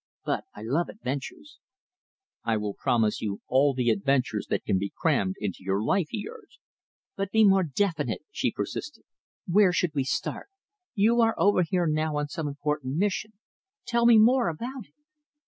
But I love adventures." "I will promise you all the adventures that can be crammed into your life," he urged. "But be more definite," she persisted. "Where should we start? You are over here now on some important mission. Tell me more about it?"